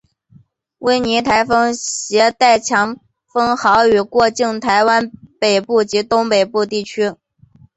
温妮台风挟带强风豪雨过境台湾北部及东北部地区。